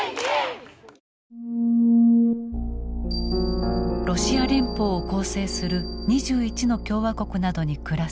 ロシア連邦を構成する２１の共和国などに暮らす少数民族。